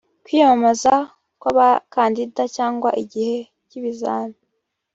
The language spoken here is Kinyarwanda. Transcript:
kwiyamamaza kw’abakandida cyangwa igihe cy’ibizami